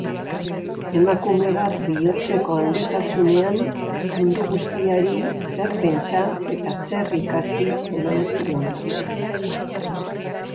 Emakume bat bihotzeko handitasunean, mundu guztiari zer pentsa eta zer ikasi eman ziona.